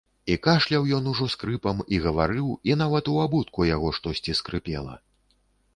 І кашляў ён ужо скрыпам, і гаварыў, і нават у абутку яго штосьці скрыпела.